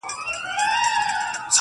• دا چي تاسي راته وایاست دا بکواس دی,